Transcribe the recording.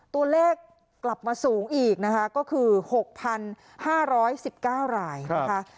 ตัวเลขกลับมาสูงอีกนะคะก็คือ๖๕๑๙รายนะคะ